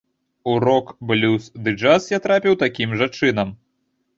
У рок, блюз ды джаз я трапіў такім жа чынам.